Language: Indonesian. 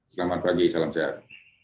selamat pagi salam sehat